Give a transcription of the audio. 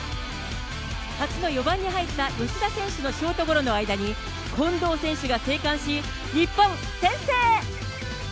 初の４番に入った吉田選手のショートゴロの間に、近藤選手が生還し、日本、先制！